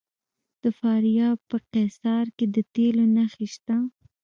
د فاریاب په قیصار کې د تیلو نښې شته.